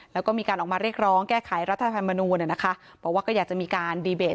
แล้วก็มีการออกมาเรียกร้องแก้ไขรัฐธรรมนูลบอกว่าก็อยากจะมีการดีเบต